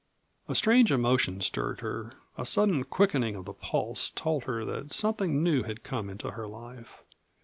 A strange emotion stirred her, a sudden quickening of the pulse told her that something new had come into her life.